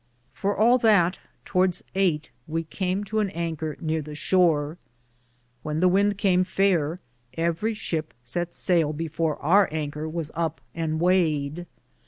For all that, towardes eyghte we came to an anker neare the shore. When the wynde came faire, everie ship sett saile before our Anker was upe or wayed.